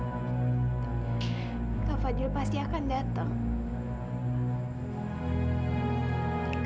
dok fadil pasti akan datang